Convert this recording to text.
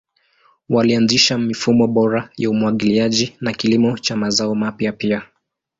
Walianzisha mifumo bora ya umwagiliaji na kilimo cha mazao mapya pia.